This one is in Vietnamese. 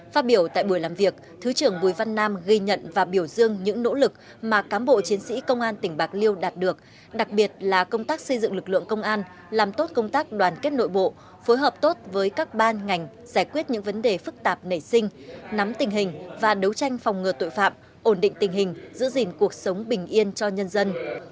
phát biểu tại buổi làm việc thứ trưởng bùi văn nam ghi nhận và biểu dương những nỗ lực mà cám bộ chiến sĩ công an tỉnh bạc liêu đạt được đặc biệt là công tác xây dựng lực lượng công an làm tốt công tác đoàn kết nội bộ phối hợp tốt với các ban ngành giải quyết những vấn đề phức tạp nảy sinh nắm tình hình và đấu tranh phòng ngừa tội phạm ổn định tình hình giữ gìn cuộc sống bình yên cho nhân dân